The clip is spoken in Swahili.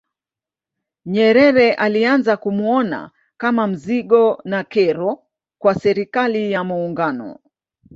Nyerere alianza kumuona kama mzigo na kero kwa Serikali ya Muungano